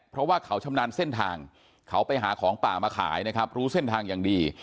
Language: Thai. เพราะว่าเขาชำนาญเส้นทางเขาไปหาของป่ามาขายนะครับรู้เส้นทางอย่างดี